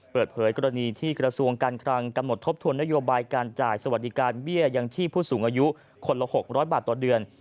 เปิดเผยกรณีที่กระทรวงการคลังกำหนดทบทวนนโยบายการจ่ายสวัสดิการเบี้ยยังชีพผู้สูงอายุคนละ๖๐๐บาทต่อเดือน